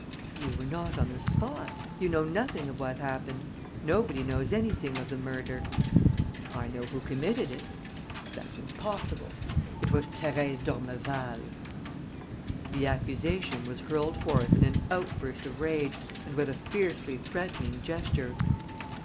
"You were not on the spot. You know nothing of what happened. Nobody knows anything of the murder." "I know who committed it." "That's impossible." "It was Thérèse d'Ormeval." The accusation was hurled forth in an outburst of rage and with a fiercely threatening gesture.